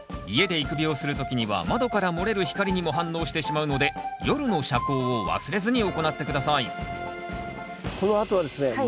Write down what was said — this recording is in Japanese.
家で育苗する時には窓から漏れる光にも反応してしまうので夜の遮光を忘れずに行って下さいこのあとはですね